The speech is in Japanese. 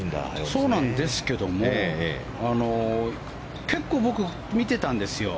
そうなんですけども結構、僕、見てたんですよ。